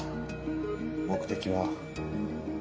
目的は。